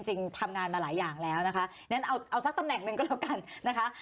จริงทำงานมาหลายอย่างแล้วนะคะงั้นเอาสักตำแหน่งหนึ่งก็แล้วกันนะคะ